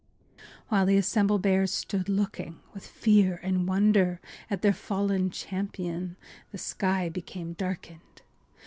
While the assembled bears stood looking with fear and wonder at their fallen champion the sky became darkened.